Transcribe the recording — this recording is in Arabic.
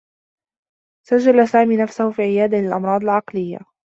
سجّل سامي نفسه في عيادة للأمراض العقليّة.